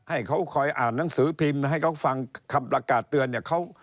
ให้เขาคอยอ่านหนังสือพิมพ์ให้เขาฟังคำประกาศเตือนเนี่ย